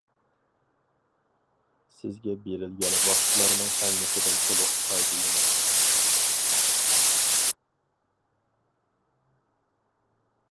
سىزگە بېرىلگەن ۋاقىتلارنىڭ ھەممىسىدىن تولۇق پايدىلىنىڭ.